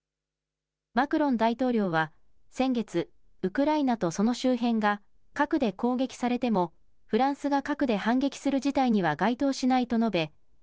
マクロン大統領は先月、ウクライナとその周辺が核で攻撃されてもフランスが核で反撃する事態には該当しないと述べ